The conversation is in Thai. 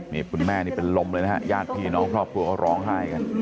นี่คุณแม่นี่เป็นลมเลยนะฮะญาติพี่น้องครอบครัวเขาร้องไห้กัน